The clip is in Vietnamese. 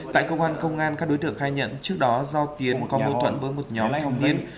tại công an công an các đối tượng khai nhận trước đó do tiến có mối thuận với một nhóm thanh niên